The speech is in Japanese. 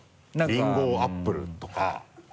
「リンゴ」を「アップル」とか。